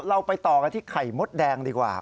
เราไปต่อกันที่ไข่มดแดงดีกว่า